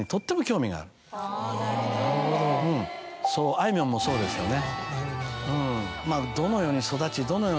あいみょんもそうですよね。